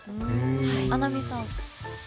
穴見さん。